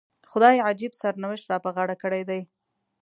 خدای عجیب سرنوشت را په غاړه کړی دی.